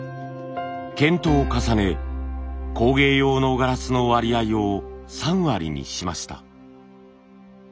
検討を重ね工芸用のガラスの割合を３割にしました。